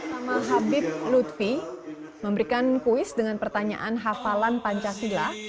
nama habib lutfi memberikan kuis dengan pertanyaan hafalan pancasila